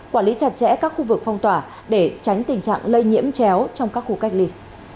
quản lý chặt chẽ các khu vực phong tỏa để tránh tình trạng lây nhiễm chéo trong các khu cách ly